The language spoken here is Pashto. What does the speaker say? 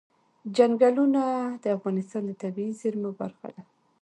چنګلونه د افغانستان د طبیعي زیرمو برخه ده.